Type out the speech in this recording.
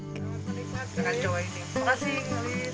dan kali ini saya mencoba ayam asap yang baru saja dimasak